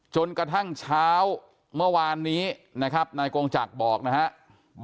จนกระทั่งเช้าเมื่อวานนี้นะครับนายกงจักรบอกนะครับ